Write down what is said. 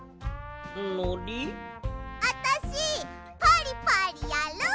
あたしパリパリやる！